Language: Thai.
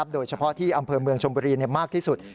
โดยเฉพาะที่อำเภอเมืองชมบุรีมากที่สุด